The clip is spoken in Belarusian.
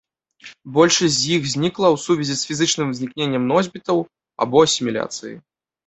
Большасць з іх знікла ў сувязі з фізічным знікненнем носьбітаў або асіміляцыяй.